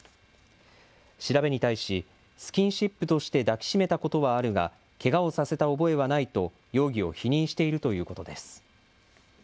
調べに対しスキンシップとして抱き締めたことはあるがけがをさせた覚えはないと容疑を否認しているということです。